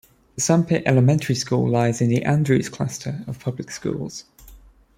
Sampit Elementary School lies in the Andrews cluster of public schools.